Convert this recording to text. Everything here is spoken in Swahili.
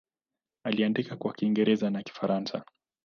Aliandika kwa Kiingereza na Kifaransa.